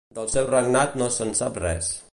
Del seu regnat no se'n sap res.